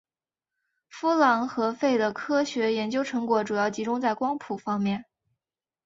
夫琅和费的科学研究成果主要集中在光谱方面。